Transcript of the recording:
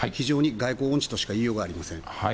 外交音痴としか言いようがありません。